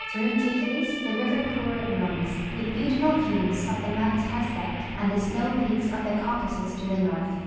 Through Tiflis the river Kur runs, with beautiful views of mount Kazbek and the snow peaks of the Caucasus to the north.